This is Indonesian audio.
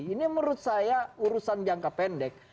ini menurut saya urusan jangka pendek